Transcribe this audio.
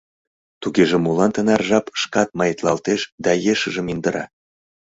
Тугеже молан тынар жап шкат маитлалтеш да ешыжым индыра?